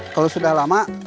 kalau sudah lama